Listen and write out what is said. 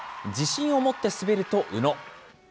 自信を持って滑ると宇野。